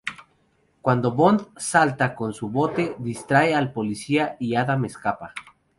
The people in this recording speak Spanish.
Cuando Bond salta con su bote distrae al policía y Adam escapa.